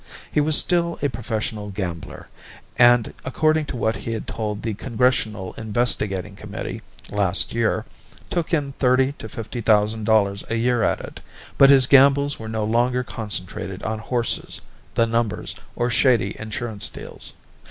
He was still a professional gambler, and according to what he had told the Congressional Investigating Committee last year, took in thirty to fifty thousand dollars a year at it, but his gambles were no longer concentrated on horses, the numbers, or shady insurance deals.